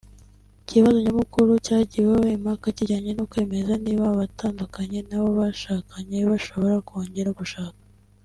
Ikibazo nyamukuru cyagiweho impaka kijyanye no kwemeza niba abatandukanye n’abo bashakanye bashobora kongera gushaka